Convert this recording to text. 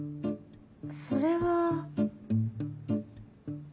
それは。